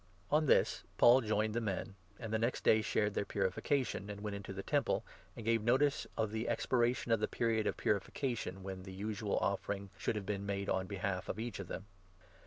On this, Paul joined the men, and the next day shared their 26 purification, and went into the Temple, and gave notice of the expiration of the period of purification when the usual offering should have been made on behalf of each of them.